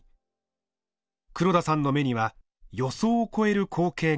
黒田さんの目には予想を超える光景が映りました。